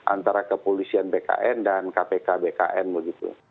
antara kepolisian bkn dan kpk bkn begitu